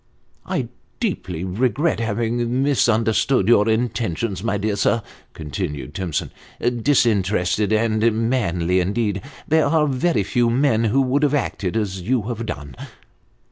" I deeply regret having misunderstood your intentions, my dear sir," continued Timson. " Disinterested and manly, indeed ! There are very few men who would have acted as you have done."